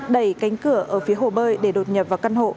đẩy cánh cửa ở phía hồ bơi để đột nhập vào căn hộ